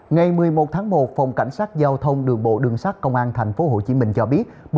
ngày một mươi một tháng một phòng cảnh sát giao thông đường bộ đường sát công an tp hcm cho biết